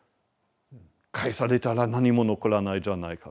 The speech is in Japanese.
返されたら何も残らないじゃないかと。